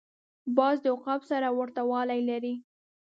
باز د عقاب سره ورته والی لري